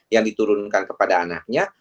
yang diturunkan kepada anaknya